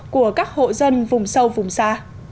của các hộ dân vùng sâu vùng xa